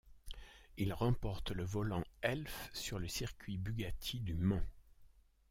Il remporte le Volant Elf sur le Circuit Bugatti du Mans.